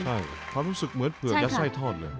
ใช่ความรู้สึกเหมือนเปลือกยัดไส้ทอดเลย